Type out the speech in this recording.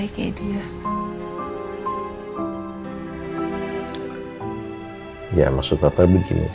terima kasih banyak banyak